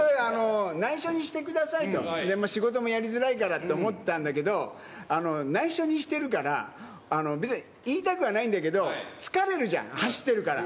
内緒にしてくださいと、仕事もやりづらいからと思ってたんだけど、ないしょにしてるから、別に言いたくはないんだけど、疲れるじゃん、走ってるから。